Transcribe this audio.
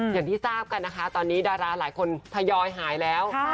อย่างที่ทราบกันนะคะตอนนี้ดาราหลายคนทยอยหายแล้ว